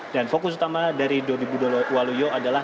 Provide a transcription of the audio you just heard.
dan fokus utama dari dodi budiwaluyo adalah